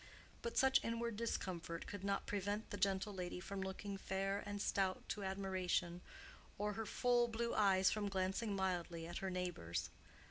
But such inward discomfort could not prevent the gentle lady from looking fair and stout to admiration, or her full blue eyes from glancing mildly at her neighbors.